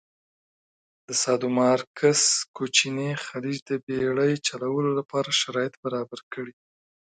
د سادومارکوس کوچینی خلیج د بېړی چلولو لپاره شرایط برابر کړي.